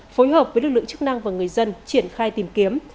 phối hợp với lực lượng chức năng và người dân triển khai tìm kiếm